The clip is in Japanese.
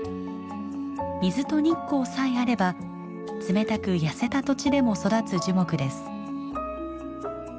水と日光さえあれば冷たく痩せた土地でも育つ樹木です。